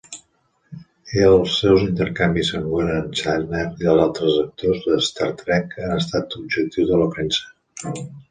Els seus intercanvis amb William Shatner i altres actors de "Star Trek" han estat objectiu de la premsa.